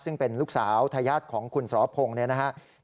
ซึ่งเป็นลูกสาวทายาทของคุณสรพงศ์เนี่ยนะครับ